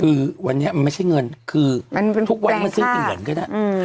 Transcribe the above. คือวันนี้มันไม่ใช่เงินคือทุกวันนี้มันซื้อกี่เหรียญก็ได้